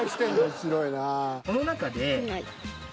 ［面白いな］